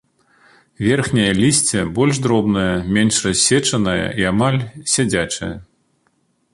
Верхняе лісце больш дробнае, менш рассечанае і амаль сядзячае.